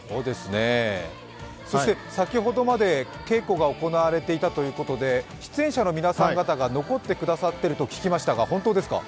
先ほどまで稽古が行われていたということで出演者の皆さん方が残ってくださっていると聞きましたが、本当ですか。